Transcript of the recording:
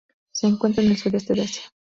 Se encuentra en el sudeste de Asia.